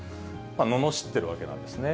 ののしってるわけなんですね。